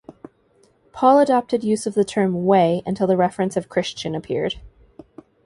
Paul adopted use of the term "Way" until reference of "Christian" appeared.